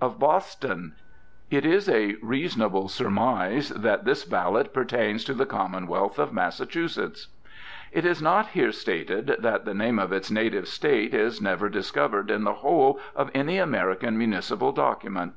"of Boston." It is a reasonable surmise that this Ballot pertains to the commonwealth of Massachusetts. It is not here stated that the name of its native State is never discovered in the whole of any American municipal document.